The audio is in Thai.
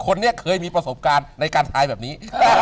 คนนี้เคยมีประสบการณ์ในการทายแบบนี้